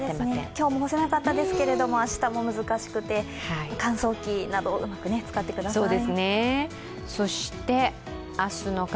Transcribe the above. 今日も干せなかったですけれども、明日も難しくて乾燥機など、うまく使ってください